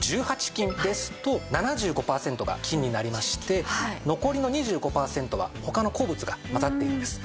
金ですと７５パーセントが金になりまして残りの２５パーセントは他の鉱物が混ざっているんです。